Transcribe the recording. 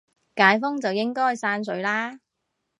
解封就應該散水啦